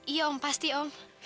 iya om pasti om